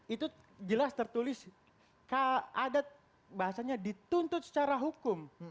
itu jelas tertulis ada bahasanya dituntut secara hukum